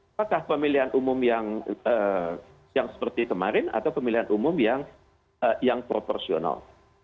apakah pemilihan umum yang seperti kemarin atau pemilihan umum yang proporsional